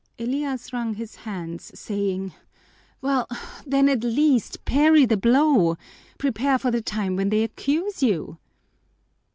Elias wrung his hands, saying, "Well then, at least parry the blow. Prepare for the time when they accuse you."